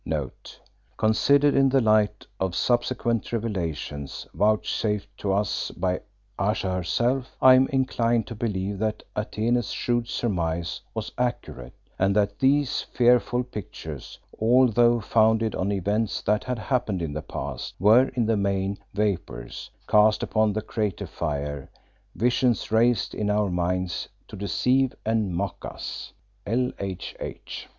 Considered in the light of subsequent revelations, vouchsafed to us by Ayesha herself, I am inclined to believe that Atene's shrewd surmise was accurate, and that these fearful pictures, although founded on events that had happened in the past, were in the main "vapours" cast upon the crater fire; visions raised in our minds to "deceive and mock us." L. H. H.